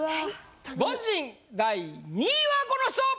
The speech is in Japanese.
凡人第２位はこの人！